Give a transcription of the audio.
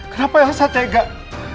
kenapa elsem tidak